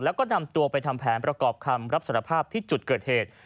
แล้วก็นำตัวไปทำแผนประกอบคำรับสารภาพที่จุดเกิดเหตุ